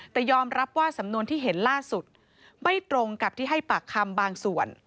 แต่ยอมรับว่าสำนวนที่เห็นล่าสุดไม่ตรงกับที่ให้ปากคำบางส่วน